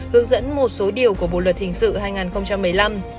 hướng dẫn một số điều của bộ luật hình sự hai nghìn một mươi năm